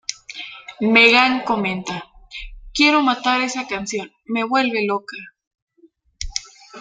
Megan comenta: ""Quiero matar a esa canción, me vuelve loca!